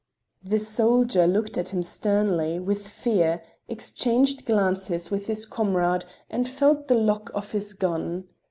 The soldier looked at him sternly, with fear, exchanged glances with his comrade, and felt the lock of his gun.